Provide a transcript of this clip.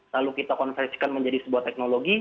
lalu kita konversikan menjadi sebuah teknologi